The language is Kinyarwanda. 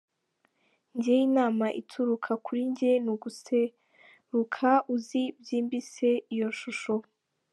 Njye inama ituruka kuri njye ni uguseruka uzi byimbitse iyo shusho.